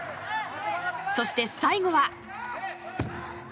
そして、最後は。